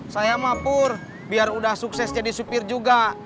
sayang mah pur biar udah sukses jadi supir juga